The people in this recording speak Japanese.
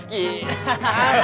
アハハハ。